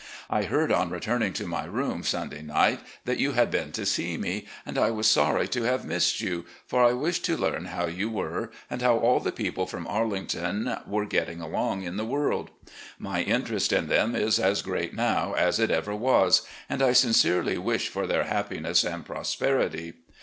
I heard on returning to my room, Sunday night, that you had been to see me; and I was sorry to have missed you, for I wi^ed to learn how you LEE'S OPINION UPON THE LATE WAR 223 were, and how all the people from Arlington were getting on in the world. My interest in them is as great now as it ever was, and I sincerely wish for their happiness and prosperity.